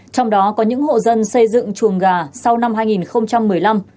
trong đó có những hộ dân xây dựng chuồng gà sau năm hai nghìn một mươi năm